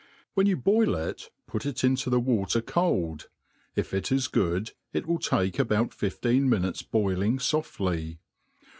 When you boil it, put it into the water cold ; if it is good, it will take about fifteen ininutes boiling . jfoftly.